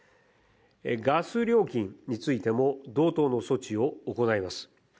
ガス料金についても同等の措置を行います。